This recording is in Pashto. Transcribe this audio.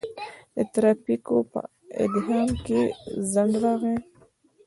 د ترافیکو په ازدحام کې ځنډ راغی.